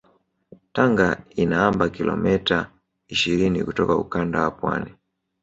Tanga inaambaa kilomita ishirini kutoka ukanda wa pwani